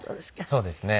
そうですね。